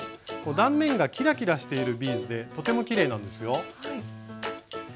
断面がキラキラしているビーズでとてもきれいなんですよ。